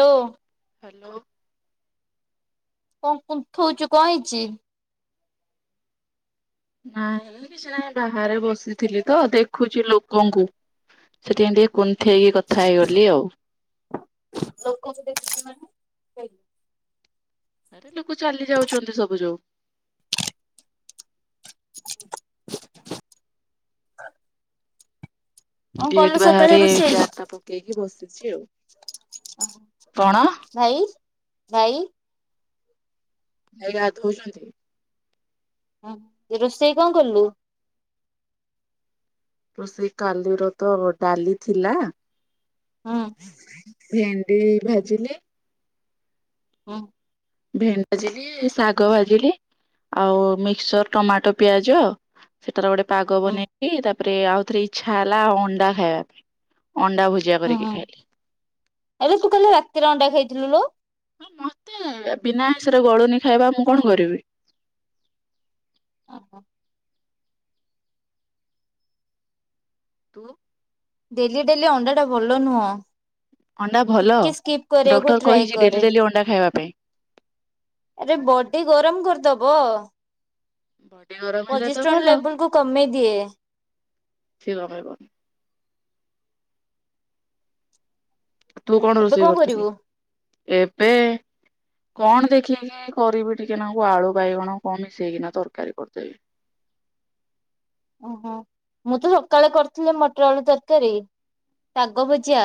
ଲୋ। Hello. କଁ କୁନ୍ଥୋଉଚୁ କଁ ହେଇଚି? ନାଇଁ କିଛି ନାହିଁ ବାହାରେ ବସିଥିଲି ତ ଦେଖୁଚି ଲୋକଙ୍କୁ। ସେଠି ଯାଇଁ କଁ ଦେଖ କୁନ୍ଥେଇକି କଥା ହେଇଗଲି ଆଉ। ଲୋକ ସତେ ଖୁସି ମାନେ ଆରେ ଲୋକ ଚାଲି ଯାଉଚନ୍ତି ସବୁ ଯୋଉ। [unintelligible] କଣ କଲୁ ଗେଟ୍ ସକାଳେ ବାହାରେ ରୋଷେଇ? ଚ୍ୟାରଟା ପକେଇକି ବସିଚି ଆଉ‌। ଭାଇ ଭାଇ। ଭାଇ ଗାଧୋଉଚନ୍ତି। ହୁଁ, ରୋଷେଇ କଣ କଲୁ? ରୋଷେଇ କାଲିର ତ ଡାଲି ଥିଲା। ହୁଁ। ଭେଣ୍ଡି ଭାଜିଲି। ହୁଁ। ଭେଣ୍ଡି ଭାଜିଲି, ଶାଗ ଭାଜିଲି, ଆଉ ମିକ୍ସର, ଟମାଟୋ ପିଆଜ। ସେଟାର ଗୋଟେ ପାଗ ହୁଁ ବନେଇ କି ତାପରେ ଆଉଥରେ ଇଚ୍ଛା ହେଲା ଅଣ୍ଡା ଖାଇବା ପାଇଁ ଅଣ୍ଡା ଭୁଜିଆ କରିକି ଖାଇଲି। ଆଲୋ ତୁ କାଲି ରାତିରେ ଅଣ୍ଡା ଖାଇଥିଲୁ ଲୋ। ହଁ ମତେ ବିନା ଆଇଁଷରେ ଗଳୁନି ଖାଇବା ମୁଁ କଣ କରିବି? ଓହୋ! [unintelligible] ତୁ [unintelligible] ଡେଲି ଡେଲି ଅଣ୍ଡାଟା ଭଲ ନୁହଁ। ଅଣ୍ଡା ଭଲ ଟିକେ ସ୍କିପ୍ କରିବାକୁ ଡକ୍ଟର ଟ୍ରାଏ କହିଛି ଡେଲି କରେ। ଡେଲି ଅଣ୍ଡା ଖାଇବା ପାଇଁ। ଆରେ ବଡି ଗରମ କରିଦବ। ବଡି ଗରମ ହେଲେ ତ ପଜିଷ୍ଟ୍ରନ୍ ଭଲ ଲେବୁଲ କୁ କମେଇ ଦିଏ ସେ କମେଇବ। ତୁ କଣ ଏବେ ରୋଷେଇ କରୁଥିଲୁ? କରିବୁ? ଏବେ କଣ ଦେଖେଇକି କରିବି ଟିକେ ନାକୁ ଆଳୁ ବାଇଗଣ କଣ ମିଶେଇକି ନା ତରକାରୀ କରିଦେବି। ଓହୋ ମୁଁ ତ ସକାଳେ କରିୁଥିଲି ମଟର ଆଳୁ ତରକାରୀ। ଶାଗ ଭଜା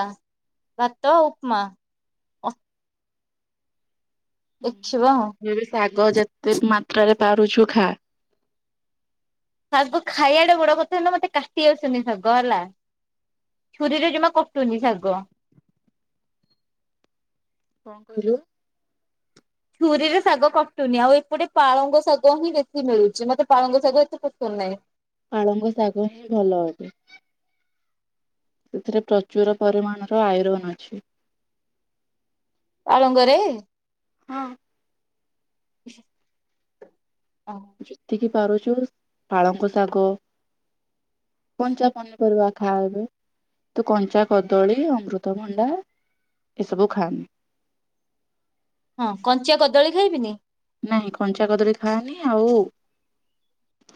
ଭାତ ଉପମା। ଏଖିବାଁ ଆଉ। [unintelligible] ଶାଗ ଯେତେ ମାତ୍ରାରେ ପାରୁଛୁ ଖା। ଶାଗ ଖାଇବାଟେ ବଡ କଥା ହେଲା ମତେ କାଟି ଆସନି ଶାଗ ହେଲା ଛୁରୀରେ ଜମା କ ଟୁନି ଶାଗ। କଣ କହିଲୁ? ଛୁରୀରେ ଶାଗ କଟୁନି ଆଉ ଏପଟେ ପାଳଙ୍ଗ ଶାଗ ହିଁ ବେଶୀ ମିଳୁଛି। ମତେ ପାଳଙ୍ଗ ଶାଗ ଏତେ ପଶନ୍ଦ ନାହିଁ। ପାଳଙ୍ଗ ଶାଗ ହିଁ ଭଲ ଅଟେ। ଏଥିରେ ପ୍ରଚୁର ପରିମାଣର ଆଇରନ୍ ଅଛି। ପାଳଙ୍ଗରେ। ହଁ ଅଁ [inaudible] [unintelligible] ଯେତିକି ପାରୁଛୁ ପାଳଙ୍ଗ ଶାଗ କଞ୍ଚା ପନିପରିବା ଖାଅ ଏବେ। ତୁ କଞ୍ଚା କଦଳୀ ଅମୃତଭଣ୍ଡା ଏସବୁ ଖାଆ ହଁ କଞ୍ଚା କଦଳୀ ଖାଇବିନି। ନାହିଁ କଞ୍ଚା କଦଳୀ ଖାଆନି ଆଉ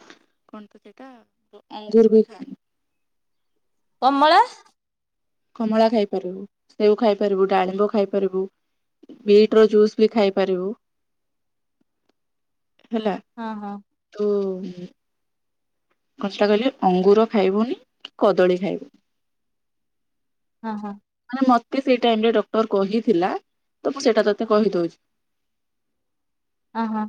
କଣ ତ ସେଇଟା ଅଙ୍ଗୁର ବି ଖାଆନି। କମଳା? କମଳା ଖାଇପାରିବୁ ସେଉ ଖାଇପାରିବୁ ଡାଳିମ୍ବ ଖାଇପାରିବୁ। ବିଟ ର ଜୁସ୍ ବି ଖାଇପାରିବୁ ହେଲା। ହଁ ହଁ। [unintelligible] କଷ୍ଟା କଲେ ଅଙ୍ଗୁର ଖାଇବୁନି କି କଦଳୀ ଖାଇବୁନି। ହଁ ହଁ। ମାନେ ମତେ ସେଇଟା ଏବେ ଡକ୍ଟର କହିଥିଲା ତ ମୁଁ ସେଇଟା ତତେ କହିଦଉଛି। ଅଁ ହଁ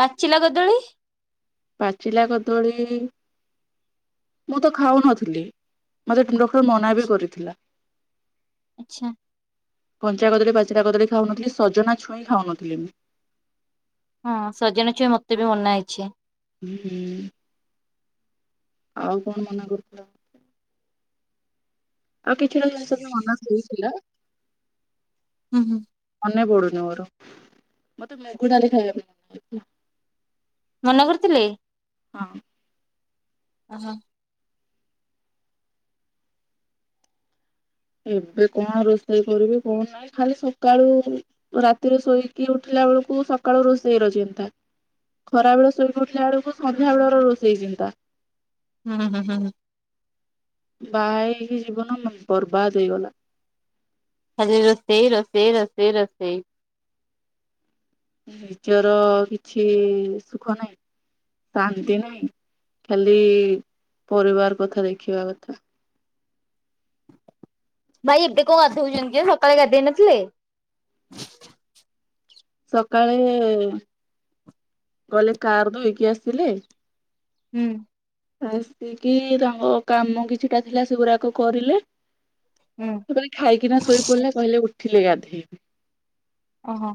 ପାଚିଲା କଦଳୀ? ପାଚିଲା କଦଳୀ ମୁଁ ତ ଖାଉନଥିଲି ମୋତେ ଡକ ମୋତେ ମନା ବି ଆଚ୍ଛା କରିଥିଲା। ଆଚ୍ଛା। କଞ୍ଚା କଦଳୀ ପାଚିଲା କଦଳୀ ଖାଉନଥିଲି ସଜନା ଛୁଇଁ ଖାଉନଥିଲି ବି। ହଁ ସଜନା ଛୁଇଁ ମତେ ବି ମନା ହେଇଛି। [inaudible] ଆଉ କଣ ମନା କରିଥିଲା? ଆଉ କିଛିଟା ଜିନଷ ବି ମନା କରିଥିଲା। [unintelligible] ମନେ ପଡୁନି ମୋର। ମତେ ମୁଗ ଡାଲି ଖାଇବା ପାଇଁ [unintelligible] ମନା କରିଥିଲେ। ହଁ। ଆସ। ଏବେ କଣ ରୋଷେଇ କରିବି କଣ ନାହିଁ, ଖାଲି ସକାଳୁ ରାତିରେ ଶୋଇକି ଉଠିଲା ବେଳକୁ, ସକାଳୁ ରୋଷେଇ ର ଚିନ୍ତା। ଖରାବେଳେ ଶୋଇକି ଉଠିଲା ବେଳକୁ ସନ୍ଧ୍ୟା ବେଳର ରୋଷେଇ ଚିନ୍ତା। ହୁଁ ହୁଁ ହୁଁଁ! ବାହା ହେଇକି ଜୀବନ ନା ବର୍ବାଦ ହେଇଗଲା। ଖାଲି ରୋଷେଇ ରୋଷେଇ ରୋଷେଇ ରୋଷେଇ। ନିଜର- ଅ-କିଛି- ସୁଖ ନାହିଁ। ଶାନ୍ତି ନାହିଁ। ଖାଲି ପରିବାର କଥା ଦେଖିବା କଥା। ଭାଇ ଏବେ କଣ ଗାଧଉଛନ୍ତି ଯେ! ସକାଳେ ଗାଧେଇ ନଥିଲେ? ସକାଳେ- ଏ ଗଲେ କାର ଧୋଇକି ଆସିଲେ ହୁଁ। ଆସିକି ତାଙ୍କ କାମ କିଛିଟା ଥିଲା, ସେଗୁରାକ କରିଲେ। ହୁଁ। ମୁଁ କହିଲି ଖାଇକିନା ଶୋଇ ପଡିଲେ, କହିଲେ ଉଠିଲେ ଗାଧେଇବି। ଓଁହୋ!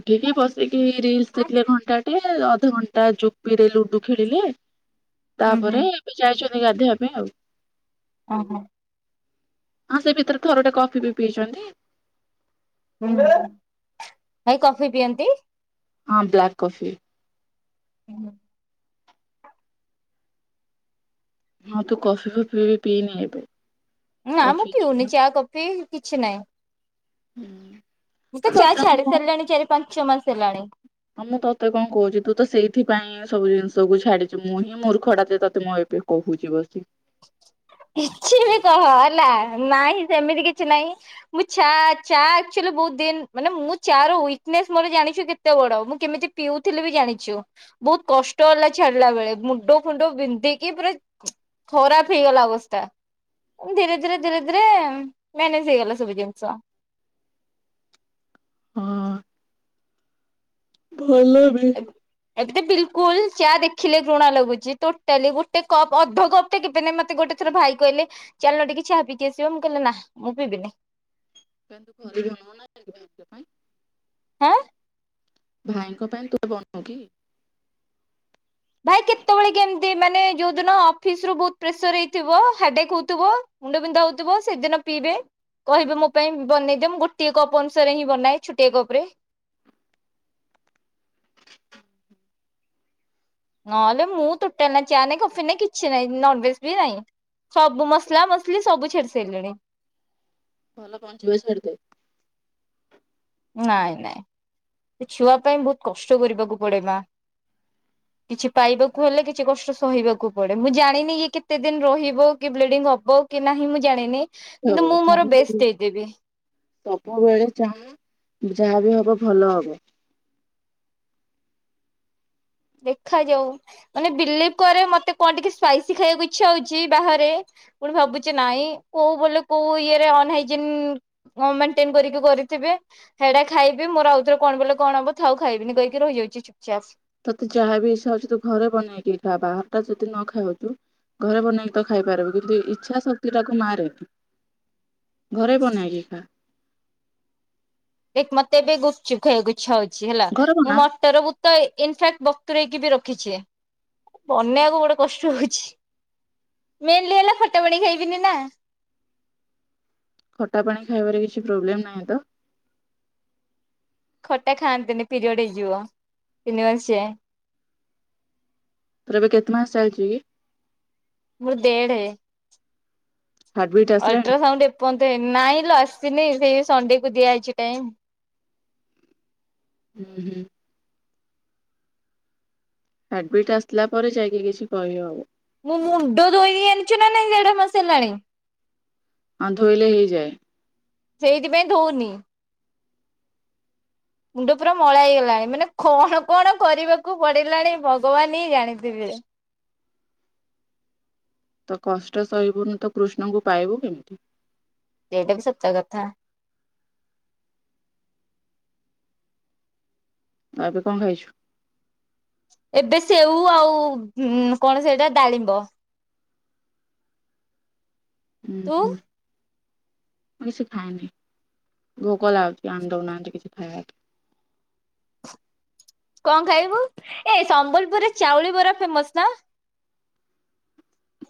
ଉଠିକି ବସିକି ରିଲସ୍ ଦେଖିଲେ ଘଣ୍ଟାଟେ। ଅଧଘଣ୍ଟା ଜୋପିରେ ଲୁଡୁ ଖେଳିଲେ। ହୁଁ ହୁଁ ତା'ପରେ ଏବେ ଯାଇଚନ୍ତି ଗାଧୋଇବା ପାଇଁ ଆଉ। ଓହୋ! ହଁ, ସେ ଭିତରେ ଥରୁଟେ, କଫି ବି ପିଇଚନ୍ତି। ହୁଁ, ଭାଇ କଫି ପିଅନ୍ତି? ହଁ, ବ୍ଲାକ୍ କଫି। ଉଁ ହୁଁ। ହଁ, ତୁ କଫି ଫଫି ବି ପିଇନି ଏବେ। ନା, ମୁଁ କଫି ପିଉନି ଚା କଫି କିଛି ନାହିଁ। ହୁଁ। ମୁଁ, ତ ଚା' ଛାଡ଼ି ସାରିଲାଣି, ଚାରି ପାଞ୍ଚ ମାସ ହେଲାଣି। ହଁ, ମୁଁ ତତେ କଣ କହୁଛି? ତୁ ତ ସେଇଥିପାଇଁ ସବୁ ଜିନିଷ କୁ ଛାଡିଚୁ, ମୁଁ ହିଁ ମୁର୍ଖଟା ତତେ ମୁଁ ଏବେ କହୁଛି ବସିକି। କିଛି ବି କହ ହେଲା ନାହିଁ, ସେମିତି କିଛି ନାହିଁ। ମୁଁ, ଛା ଚା' ଆକ୍ଚୁଲି ବହୁତ ଦିନ, ମାନେ ମୁଁ ଚା' ର ୱିକନେସ୍ ମୋର ଜାଣିଛୁ କେତ୍ କେତେ ବଡ, ମୁଁ କେମିତି ପିଉଥିଲି ବି ଜାଣିଛୁ। ବହୁତ କଷ୍ଟ ହେଲା ଛାଡିଲା ବେଳେ, ମୁଣ୍ଡ ଫୁଣ୍ଡ ବିନ୍ଧିକି ପୁରା ଖରାପ ହେଇଗଲା ଅବସ୍ତା। ଧୀରେ ଧୀିରେ ଧୀରେ ଧୀରେ ମ୍ୟାନେଜ ହେଇଗଲା ସବୁ ଜିନିଷ। ହଁ। ଭଲ ବି। ଏବେ ତ ବିଲକୁଲ ଚା' ଦେଖିଲେ ଘୃଣା ଲାଗୁଛି। ଟୋଟାଲି ଗୋଟେ କପ୍, ଅଧ କପ୍ ମତେ କେବେନାଇଁ ମତେ ଗୋଟେ ଥର ଭାଇ କହିଲେ, ଚାଲୁନ ଟିକେ ଚାହା ପିଇକି ଆସିବ? ମୁଁ କହିଲି ନା, ମୁଁ ପିିବିନି। [inaudible] ହାଁ। ଭାଇଙ୍କ ପାଇଁ, ତୁ ବନଉ କି? ଭାଇ କେତେବେଳେ କେମତି, ମାନେ ଯୋଉ ଦିନ ଅଫିସ୍ ରୁ ବହୁ ପ୍ରେସର୍ ହେଇଥିବ, ହେଡାକ ହଉଥିବ ମୁଣ୍ଡ ବିନ୍ଧା ହଉଥିବ, ସେଦିନ ପିଇବେ। କହିବେ ମୋ ପାଇଁ ବନେଇ ଦେ, ମୁଁ ଗୋଟିଏ କପ୍ ଅନୁସାରେ ହିଁ ବନାଏ। ଛୋଟିଆ କପ୍ ରେ ନହେଲେ ମୁଁ ଟୋଟାଲି ନାଇଁ ଚା' ନାଇଁ, କଫି ନାଇଁ, କିଛି ନାଇଁ, ନନ୍ ଭେଜ ବି ନାଇଁ। ସବୁ ମସଲା ମସଲି ସବୁ ଛାଡ଼ି ସାଇଲିଣି। ଭଲ ପହଞ୍ଚିବ, ସେଆଡେ ଦେ। ନାଇଁ ନାଇଁ ସେ ଛୁଆ ପାଇଁ ବହୁତ କଷ୍ଟ କରିବାକୁ ପଡେ ମା। କିଛି ପାଇବାକୁ ହେଲେ କିଛି କଷ୍ଟ ସହିବାକୁ ପଡେ। ମୁଁ ଜାଣିନି କି କେତେ ଦିନ ରହିବ କି ବ୍ଲିଡିଙ୍ଗ ହବ। କି ନାହିଁ ମୁଁ ଜାଣିନି। କିନ୍ତୁ ମୁଁ ମୋର ବେଷ୍ଟ ଦେଇଦେବି। ସବୁବେଳେ ଚାହାଁ। ଯାହା ବି ହବ ଭଲ ହବ। ଦେଖା ଯାଉ ମାନେ ବିଲିଭ କରେ ମତେ କଣ ଟିକେ ସ୍ପାଇସି ଖାଇବାକୁ ଇଚ୍ଛା ହଉଛି ବାହାରେ। ପୁଣି ଭାବୁଛି ନାଇଁ କୋଉ ବେଳେ କୋଉ ଅନ ହାଇଜିନ ମେଣ୍ଟେନ କରିକି କରିଥିବେ। ସେଇଟା ଖାଇବି ମୋର ଆଉ ଥରେ କଣ ବୋଲେ କଣ ହବ ଥାଉ ଖାଇବିନି କହିକି ରହିଯାଉଛି ଚୁପଚାପ୍। ତତେ ଯାହା ବି ଇଛା ହଉଛି ତୁ ଘରେ ବନେଇକି ଖା। ବାହାର ଟା ଯଦି ନ ଖାଉଛୁ। ଘରେ ବନେଇକି ତ ଖାଇପାରିବେ। କିନ୍ତୁ ଇଚ୍ଛା ଶକ୍ତି ଟାକୁ ମାରେନି। ଘରେ ବନାଇକି ଖା। ଦେଖ ମତେ ଏବେ ଗୁପଚୁପ୍ ଖାଇବାକୁ ଇଛା ହଉଛି ହେଲା। ଘରେ ମୁଁ ବନା ମଟରକୁ ତ ଇନ ଫାକ୍ଟ ବତୁରେଇକି ବି ରଖିଛି। ବନେଇବାକୁ ଗୋଟେ କଷ୍ଟ ହଉଛି। ମେନ୍ ଲି ହେଲା ଖଟା ପାଣି ଖାଇବିନି ନା। ଖଟା ପାଣି ଖାଇବାରେ କିଛି ପ୍ରୋବ୍ଲେମ ନାହିଁ ତ। ଖଟା ଖାଆନ୍ତିନି ପିରିୟଡ ହେଇଯିବ ତିନି ମାସିଆ। ତୋର ଏବେ କେତେ ମାସ ଚାଲିଛି କି? ମୋର ଦେଢେ। ହାର୍ଟବିଟ୍ ଆସିଲାଣି? ଅଲଟ୍ରାସାଉଣ୍ଡ ଏପର୍ଯ୍ୟନ୍ତ ହେଇନି। ହୁଁ ହୁଁ। ହାର୍ଟବିଟ ଆସିଲା ପରେ ଯାଇକି କିଛି କହିହବ। ମୁଁ ମୁଣ୍ଡ ଧୋଇନି ଜାଣିଛୁ ନା ନାଇଁ ଦେଢ ମାସ ହେଲାଣି। ହଁ ଧୋଇଲେ ହେଇଯାଏ। ସେଇଥିପାଇଁ ଧୋଉନି। ମୁଣ୍ଡ ପୁରା ମଳା ହେଇଗଲାଣି। ମାନେ କଣ କଣ କରିବାକୁ ପଡିଲାଣି ଭଗବାନ ହିଁ ଜାଣିଥିବେ। ତ କଷ୍ଟ ସହିବୁନି ତ କୃଷ୍ଣଙ୍କୁ ପାଇବୁ କେମିତି? ଏଇଟା ବି ସତ କଥା। ଆଉ ଏବେ କଣ ଖାଇଛୁ? ଏବେ ସେଉ ଆଉ କଣ ସେଇଟା ଡାଳିମ୍ବ। ହୁଁ ତୁ ହୁଁ ମୁଁ କିଛି ଖାଇନି। ଭୋକ ଲାଗୁଛି ଆଣି ଦଉନାହାନ୍ତି କିଛି ଖାଇବାକୁ। କଣ ଖାଇବୁ? ଏ ସମ୍ବଲପୁରରେ ଚାଉଳି ବରା ଫେମସ ନା।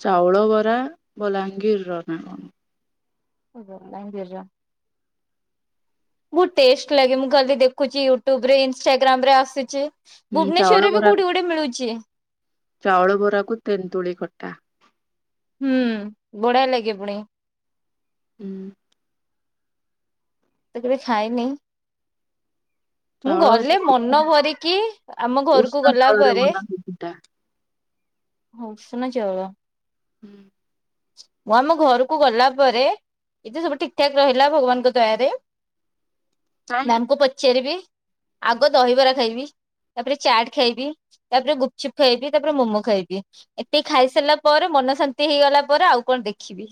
ଚାଉଳ ବରା ବଲାଙ୍ଗୀରର ନା କଣ? ଓ ହ ବଲାଙ୍ଗୀରର। ବହୁତ ଟେଷ୍ଟ ଲାଗେ। ମୁଁ କାଲି ଦେଖୁଛି ୟୁଟ୍ୟୁବରେ ଇନଷ୍ଟାଗ୍ରାମରେ ଆସୁଛି। ହୁଁ ଚାଉଳ ଭୁବନେଶ୍ୱରରେ ବି ବରା କୋଉଠି ଗୋଟେ ମିଳୁଛି। ଚାଉଳ ବରାକୁ ତେନ୍ତୁଳି ଖଟା। ହୁଁ ବଢିଆ ଲାଗେ ପୁଣି। ହୁଁ। ତ କେବେ ଖାଇନି। ମୁଁ ଚାଉଳ ଅଛି ଗଲେ ମନ ଭରିକି ଆମ ଘରକୁ ଉଷୁନା ଗଲା ଚାଉଳରେ ପରେ ବନା ହୁଏ ସେଟା। ହଁ ଉସୁନା ଚାଉଳ। ହୁଁ। ମୁଁ ଆମ ଘରକୁ ଗଲା ପରେ ଏଇତ ସବୁ ଠିକ ଠାକ ରହିଲା ଭଗବାନଙ୍କ ଦୟାରେ। କାହିଁକି ମ୍ୟାମକୁ ପଚାରିବି ଆଗ ଦହିବରା ଖାଇବି। ତାପରେ ଚାଟ୍ ଖାଇବି। ତାପରେ ଗୁପଚୁପ ଖାଇବି। ତାପରେ ମୋମୋ ଖାଇବି। ଏତିକି ଖାଇସାରିଲା ପରେ ମନ ଶାନ୍ତି ହେଇଗଲା ପରେ ଆଉ କଣ ଦେଖିବି।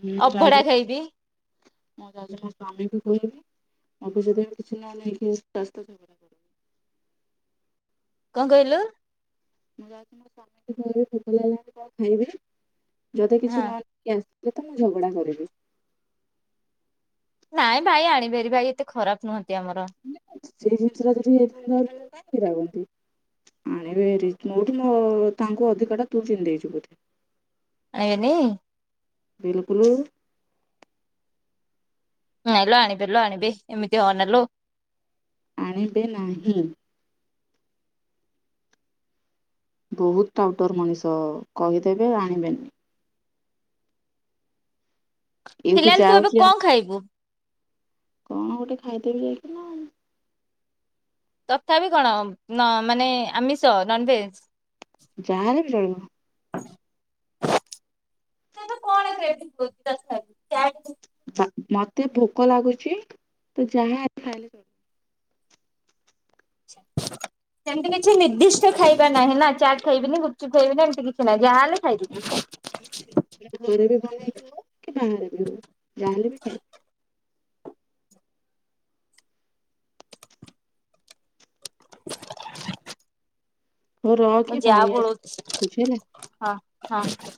ହୁଁ ଆଉ ଅଭଡା ଯୋଉ ଖାଇବି ମୁଁ ଯାଉଛି ମୋ ସ୍ୱାମୀଙ୍କୁ କହିବି ଅଫିସରେ ବି କିଛି ନ ହେଲେ ବି ରାସ୍ତା କଣ କହିଲ? ମୁଁ ଯାଉଛି ମୋ ସ୍ୱାମୀ [unintelligible] କଣ ଖାଇବି ଯଦି କିଛି ହଁ ନହ ଇଏ ଆସିଲେ ତ ମୁଁ ଝଗଡ଼ା କରିବି। ନାଇଁ ଭାଇ ଆଣିବେ ବାରି ଭାଇ ଏତେ ଖରାପ ନୁହଁନ୍ତି ଆମର। ସେଇ ଜିନିଷଟା ଯଦି ଏତେ ଭାବନ୍ତି କାହିଁକି ରାଗନ୍ତି। ଆଣିବି ମୋଠୁ ତାଙ୍କୁ ଅଧିକଟା ତୁ ଚିହ୍ନିଦେଇଛୁ ବୋଧେ। ଆଇବେନି। ବିଲକୁଲ। ନାଇଁଲୋ ଆଣିବେ ଲୋ ଆଣିବେ ଏମିତି ହଅନାଲୋ। ଆଣିବେ ନାହିଁ। ବହୁତ ଟାଉଟର ମଣିଷ କହିଦେବେ ଆଣିବେନି। ଏଇଠୁ ଫିଲାଲ ତୁ ଏବେ ଯାଉଛି ଆସି କଣ ଖାଇବୁ? କଣ ଗୋଟେ ଖାଇଦେବି ଏଇକିନା। ତଥାପି କଣ ମାନେ ଆମିଷ ନନଭେଜ। ଯାହାଲେ ବି ଚଳିବ। ନା କଣ ଏବେ [unintelligible] ମୋତେ ଭୋକ ଲାଗୁଛି ତ ଯାହା ଖାଇଲେ। [unintelligible] ସେମିତି କିଛି ନିର୍ଦ୍ଦିଷ୍ଟ ଖାଇବା ନାହିଁ ନା ଚାଟ ଖାଇବିନି ଗୁପଚୁପ ଖାଇବିନି ଏମିତି କିଛି ନାହିଁ ଯାହା ହେଲେ ଖାଇବି। ଘରେ ବି ଭଲଇ ହଉ କି ବାହାରେ ବି ହଉ ଯାହାଲେ ବି ଖାଇବି। [unintelligible] ହଉ ମୁଁ ରଖେ ଯା ଭାଇ ପଳଉଛି ଆସୁଛି ହେଲା। ହଁ ହଁ।